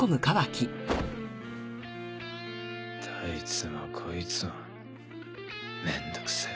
どいつもこいつもめんどくせえ。